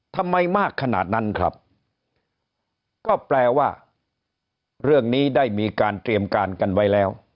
ทำไมมากขนาดนั้นครับก็แปลว่าเรื่องนี้ได้มีการเตรียมการกันไว้แล้ว